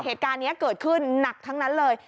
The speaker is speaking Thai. เหตุการณ์นี้เกิดขึ้นหนักทั้งนั้นเลย